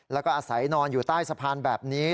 แล้วก็อาศัยนอนอยู่ใต้สะพานแบบนี้